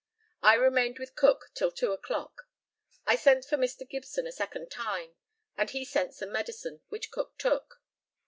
I remained with Cook till two o'clock. I sent for Mr. Gibson a second time, and he sent some medicine, which Cook took.